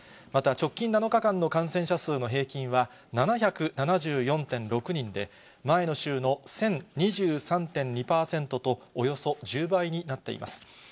また直近７日間の感染者数の平均は、７７４．６人で、前の週の１０２３．２％と、およそ１０倍になっています。